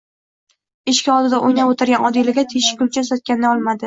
Eshik oldida o'ynab yurgan Odilaga teshikkulcha uzatganda olmadi.